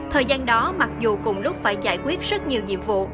thời gian đó mặc dù cùng lúc phải giải quyết rất nhiều nhiệm vụ